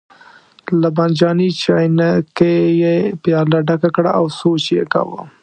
له بانجاني چاینکې یې پیاله ډکه کړه او سوچ یې کاوه.